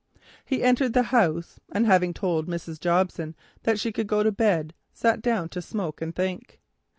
He entered the house, and having told Mrs. Jobson that she could go to bed, sat down to smoke and think.